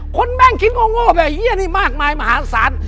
คนแม่งคิดโง่แบบไอ้เหี้ยนี่มากมายมหาศาล